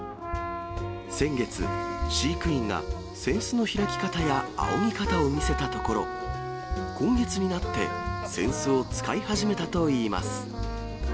先月、飼育員が扇子の開き方やあおぎ方を見せたところ、今月になって、扇子を使い始めたといいます。